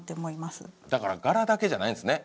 だから柄だけじゃないんですね。